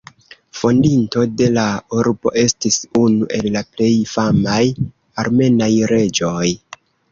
Fondinto de la urbo, estis unu el la plej famaj armenaj reĝoj.